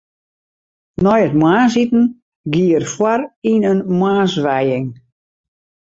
Nei it moarnsiten gie er foar yn in moarnswijing.